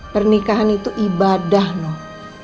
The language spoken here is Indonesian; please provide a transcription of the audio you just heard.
pernikahan itu ibadah noh